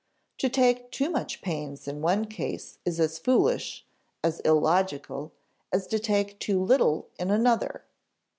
To take too much pains in one case is as foolish as illogical as to take too little in another.